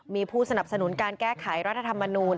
มีผู้สนับสนุนการแก้ไขรัฐธรรมนูล